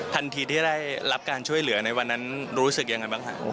ทันทีที่ได้รับการช่วยเหลือในวันนั้นรู้สึกยังไงบ้างครับ